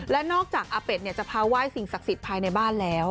และนอกจากอาเป็ดจะพาไหว้สิ่งศักดิ์สิทธิ์ภายในบ้านแล้ว